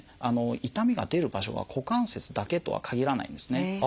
痛みが出る場所が股関節だけとは限らないんですね。